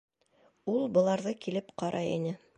Ул быларҙы килеп ҡарай ине.